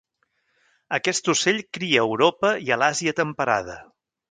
Aquest ocell cria a Europa i l'Àsia temperada.